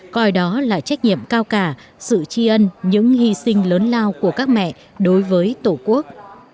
coi đó là trách nhiệm cao cả sự tri ân những hy sinh lớn lao của các mẹ đối với tổ quốc